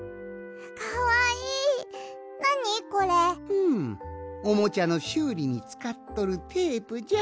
うんおもちゃのしゅうりにつかっとるテープじゃ。